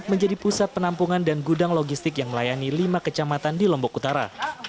menjadi pusat penampungan dan gudang logistik yang melayani lima kecamatan di lombok utara